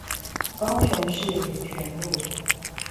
高雄市民權路